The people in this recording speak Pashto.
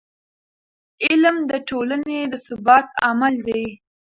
علم د ټولنې د ثبات عامل دی.